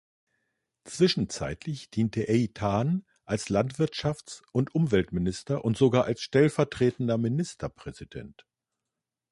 Zwischenzeitlich diente Eitan als Landwirtschafts- und Umweltminister und sogar als stellvertretender Ministerpräsident.